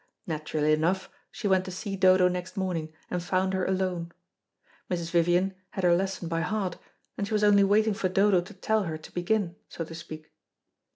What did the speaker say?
Naturally enough she went to see Dodo next morning, and found her alone. Mrs. Vivian had her lesson by heart, and she was only waiting for Dodo to tell her to begin, so to speak.